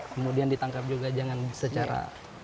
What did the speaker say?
kemudian ditangkap juga jangan secara